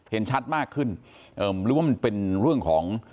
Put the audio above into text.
เห็นชัดมากขึ้นเอ่อหรือว่ามันเป็นเรื่องของ